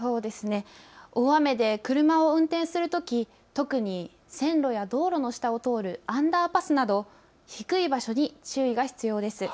大雨で車を運転するとき、特に線路や道路の下を通るアンダーパスなど低い場所に注意が必要です。